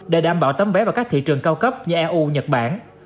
để đảm bảo tấm vé vào các thị trường cao cấp như eu nhật bản